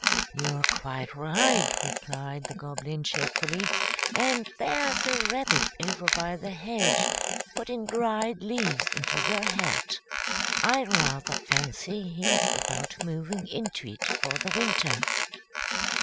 "You're quite right," replied the Goblin, cheerfully; "and there's a rabbit over by the hedge putting dried leaves into your hat. I rather fancy he's about moving into it for the winter."